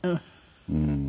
うん。